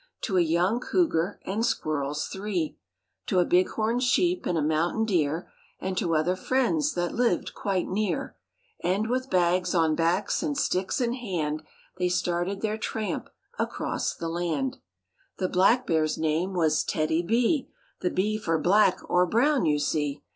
To a young cougar and squirrels three, To a big horn sheep and a mountain deer, And to other friends that lived quite near; And with bags on backs and sticks in hand They started their tramp across the land. 10 MORE ABOUT THE ROOSEVELT BEARS The black bear's name was TEDDY B; The B for black or brown, you see.